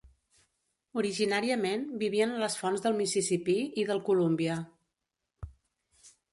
Originàriament vivien a les fonts del Mississipí i del Colúmbia.